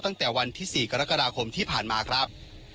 ตั้งแต่วันที่๔กรกฎาคมที่ผ่านมาครับ